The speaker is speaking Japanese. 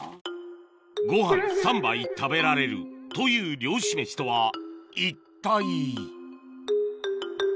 ご飯３杯食べられるという漁師メシとは一体？